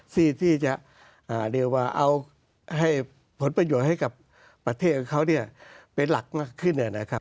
ซึ่งจะให้ผลประโยชน์ให้กับประเทศเขาเป็นหลักมากขึ้น